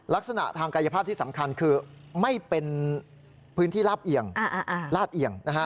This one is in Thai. ลักษณะทางกายภาพที่สำคัญคือไม่เป็นพื้นที่ลาบเอียงลาดเอียง